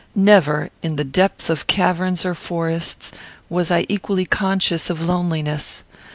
Never, in the depth of caverns or forests, was I equally conscious of loneliness.